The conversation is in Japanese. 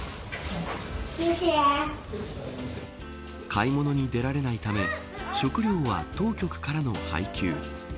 買い物に出られないため食料は当局からの配給。